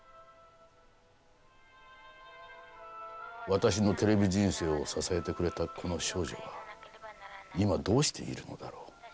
私のテレビ人生を支えてくれたこの少女は今どうしているのだろう。